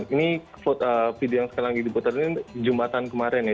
ini video yang sekali lagi diputar ini jumatan kemarin ya